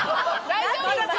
大丈夫ですか？